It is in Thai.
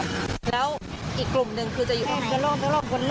บอกไม่ถูกทั้งนั้น